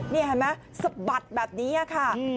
นี่เห็นไหมสะบัดแบบนี้ค่ะ